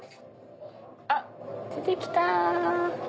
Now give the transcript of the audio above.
あっ出てきた。